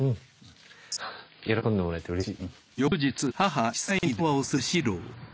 うん喜んでもらえてうれしい。